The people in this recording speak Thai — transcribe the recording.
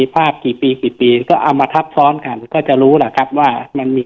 ภาพกี่ปีกี่ปีก็เอามาทับซ้อนกันก็จะรู้แหละครับว่ามันมี